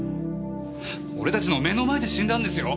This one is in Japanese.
俺たちの目の前で死んだんですよ！